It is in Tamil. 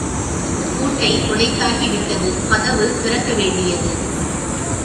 பூட்டை உடைத்தாகிவிட்டது கதவு திறக்க வேண்டியது.